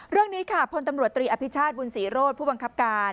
เรื่องนี้ค่ะพลตำรวจตรีอภิชาติบุญศรีโรธผู้บังคับการ